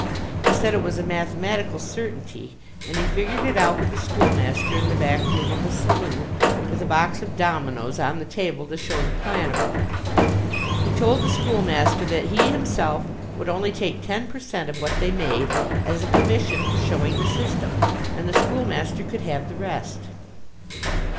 He said it was a mathematical certainty, and he figured it out with the schoolmaster in the back room of a saloon, with a box of dominoes on the table to show the plan of it. He told the schoolmaster that he himself would only take ten per cent of what they made, as a commission for showing the system, and the schoolmaster could have the rest.